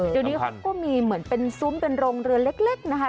เดี๋ยวนี้เขาก็มีเหมือนเป็นซุ้มเป็นโรงเรือเล็กนะคะ